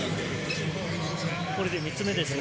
これで３つ目ですね。